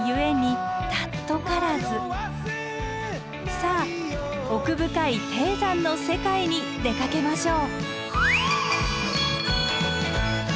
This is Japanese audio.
さあ奥深い低山の世界に出かけましょう。